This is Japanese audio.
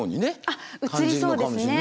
あっ映りそうですね。